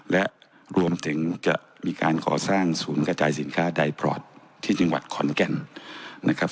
และรวมถึงจะมีการก่อสร้างศูนย์กระจายสินค้าใดพรอดที่จังหวัดขอนแก่นนะครับ